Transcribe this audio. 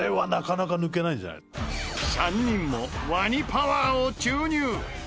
３人もワニパワーを注入！